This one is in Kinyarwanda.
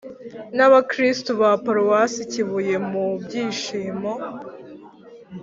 n’abakristu ba paruwasi kibuye mu byishimo